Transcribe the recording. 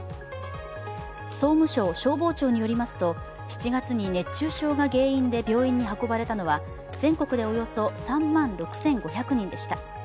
総務省消防庁によりますと、７月に熱中症が原因で病院に運ばれたのは全国でおよそ３万６５００人でした。